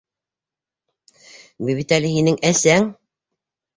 - Мин бит әле һинең әсәң!